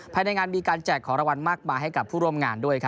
ภายในงานมีการแจกของรางวัลมากมายให้กับผู้ร่วมงานด้วย